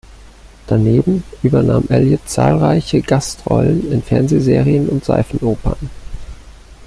Daneben übernahm Elliott zahlreiche Gastrollen in Fernsehserien und Seifenopern.